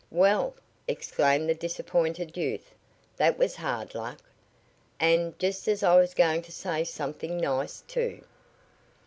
"Well!" exclaimed the disappointed youth, "that was hard luck. And just as I was going to say something nice, too.